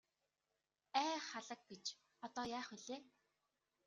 Ай халаг гэж одоо яах билээ.